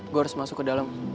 gue harus masuk ke dalam